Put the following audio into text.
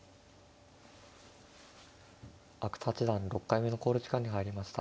阿久津八段６回目の考慮時間に入りました。